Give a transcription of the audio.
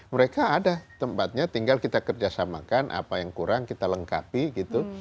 mereka ada tempatnya tinggal kita kerjasamakan apa yang kurang kita lengkapi gitu